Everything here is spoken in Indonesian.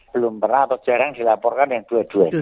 belum pernah atau jarang dilaporkan yang dua duanya